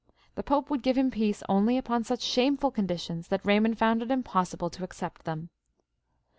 The Pop^ would give him peace only upon such shameful conditions that Raymond found it impossible to accept them.